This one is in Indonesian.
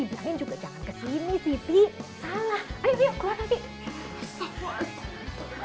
dibilangin juga jangan kesini siti salah